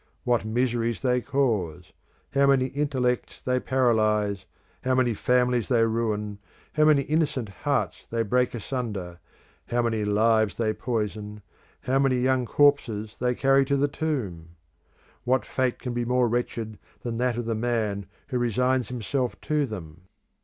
What miseries they cause, how many intellects they paralyse, how many families they ruin, how many innocent hearts they break asunder, how many lives they poison, how many young corpses they carry to the tomb! What fate can be more wretched than that of the man who resigns himself to them?